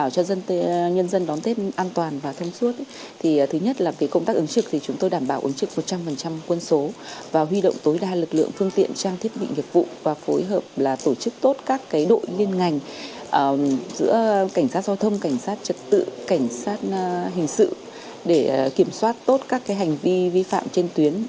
cảnh sát giao thông cảnh sát trật tự cảnh sát hình sự để kiểm soát tốt các hành vi vi phạm trên tuyến